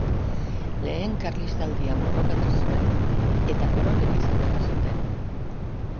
Lehen Karlistaldian borrokatu zuen eta koronel izendatu zuten.